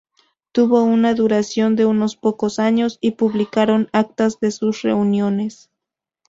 Tuvo una duración de unos pocos años y publicaron actas de sus reuniones.